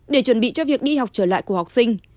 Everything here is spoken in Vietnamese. để chuẩn bị cho việc đi học trở lại của học sinh